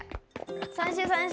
３周３周！